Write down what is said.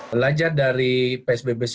belajar dari psbb sebetulnya